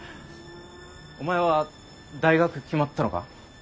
お前は大学決まったのか？